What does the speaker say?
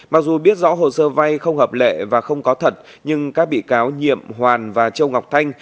mặc dù biết rõ hồ sơ vay không hợp lệ và không có thật nhưng các bị cáo nhiệm hoàn và châu ngọc thanh